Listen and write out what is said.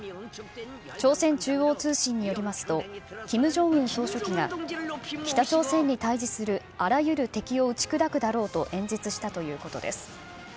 朝鮮中央通信によりますと、キム・ジョンウン総書記が北朝鮮に対じするあらゆる敵を打ち砕くだろうと演説したということです。